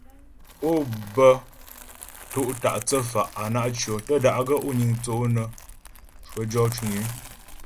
Ó bə to' ta' thə́fa' á na' tʉɔ, tə́ da'gaə́ ó niŋ thə́ ǒ nə́ cwə jɔ cwiŋ ée.